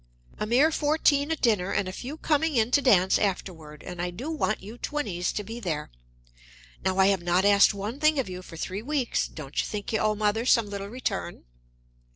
"A mere fourteen at dinner and a few coming in to dance afterward, and I do want you twinnies to be there. Now I have not asked one thing of you for three weeks; don't you think you owe Mother some little return?"